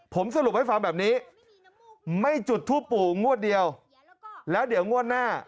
ผมสรุปให้ฟังแบบนี้ไม่จุดทูปปู่งวดเดียวแล้วเดี๋ยวงวดหน้า